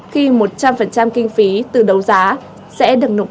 một trăm linh kinh phí từ đầu giá sẽ được nộp lại cho ngân sách trung ương